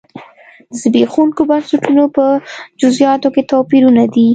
د زبېښونکو بنسټونو په جزییاتو کې توپیرونه دي.